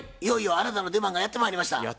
いよいよあなたの出番がやってまいりました。